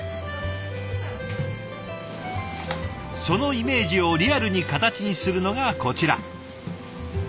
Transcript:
そのイメージをリアルに形にするのがこちら。